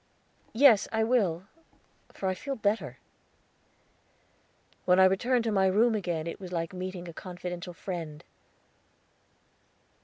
"Yes, I will, for I feel better." When I returned to my room again it was like meeting a confidential friend.